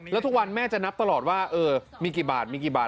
แล้วทุกวันแม่จะนับตลอดว่าเออมีกี่บาท